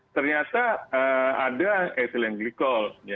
ternyata ada ethylene glikol